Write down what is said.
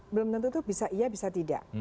belum tentu itu bisa iya bisa tidak